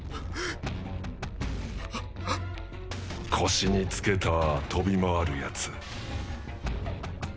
腰に付けた飛び回るやつ。